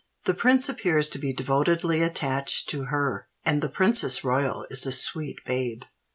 "The Prince appears to be devotedly attached to her; and the Princess Royal is a sweet babe."